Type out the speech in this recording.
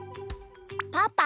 パパ？